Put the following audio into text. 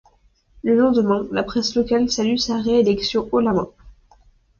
Le lendemain, la presse locale salue sa réélection haut la main.